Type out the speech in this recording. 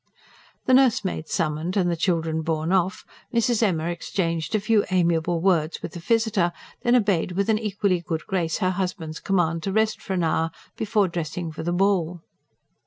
The nursemaid summoned and the children borne off, Mrs. Emma exchanged a few amiable words with the visitor, then obeyed with an equally good grace her husband's command to rest for an hour, before dressing for the ball.